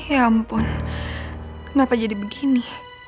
ya ampun kenapa jadi begini